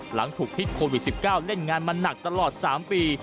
หลังถูกพิษโควิด๑๙เล่นงานมาหนักตลอด๓ปี